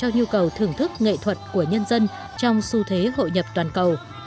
hội thi hợp xướng quốc tế là một trường hợp thưởng thức nghệ thuật của nhân dân trong xu thế hội nhập toàn cầu